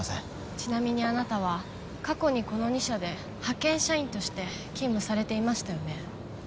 ちなみにあなたは過去にこの２社で派遣社員として勤務されていましたよね？